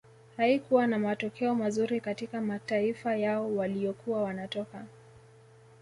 Haikuwa na matokeo mazuri katika mataifa yao waliyokuwa wanatoka